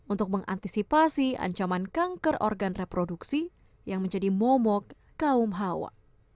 untuk mengantisipasi ancaman kanker organ reproduksi yang menjadi momok kaum hawa